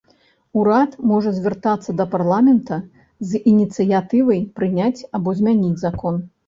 Урад можа звяртацца да парламента з ініцыятывай прыняць або змяніць закон.